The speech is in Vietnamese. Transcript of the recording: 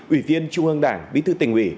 ủy viên trung ương đảng bí thư tỉnh ủy